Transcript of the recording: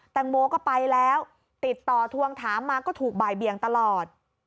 แตงโมก็ไปแล้วติดต่อทวงถามมาก็ถูกบ่ายเบียงตลอด